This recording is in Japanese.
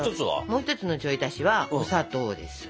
もう一つのちょい足しはお砂糖です。